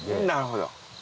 なるほど。